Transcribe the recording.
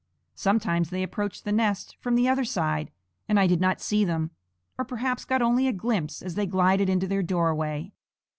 Sometimes they approached the nest from the other side, and I did not see them, or perhaps got only a glimpse as they glided into their doorway.